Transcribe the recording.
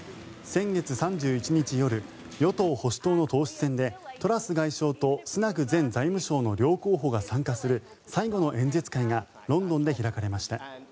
先月３１日夜与党・保守党の党首選でトラス外相とスナク前財務相の両候補が参加する最後の演説会がロンドンで開かれました。